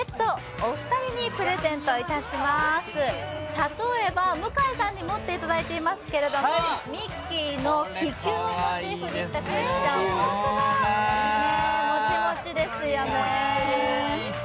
例えば向井さんに持っていただいていますけどミッキーの気球をモチーフにしたクッション、もちもちですよね。